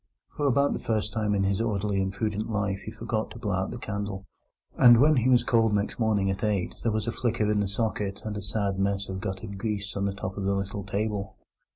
For about the first time in his orderly and prudent life he forgot to blow out the candle, and when he was called next morning at eight there was still a flicker in the socket and a sad mess of guttered grease on the top of the little table.